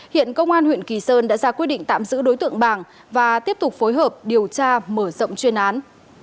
hiện công an huyện kỳ sơn đã ra quyết định tạm giữ đối tượng bàng và tiếp tục phối hợp điều tra mở rộng chuyên án